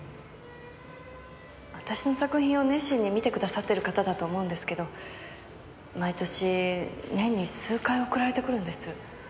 私の作品を熱心に見てくださってる方だと思うんですけど毎年年に数回送られてくるんです。